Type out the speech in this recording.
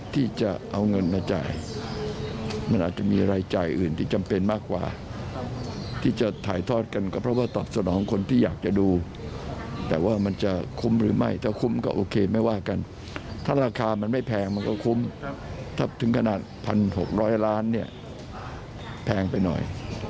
ถ้าถึงขนาด๑๖๐๐ล้านบาทแพงไปหน่อย